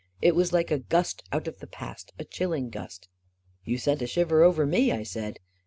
It was like a gust out of the past — a chilling gust." 44 You sent a shiver over me," I said.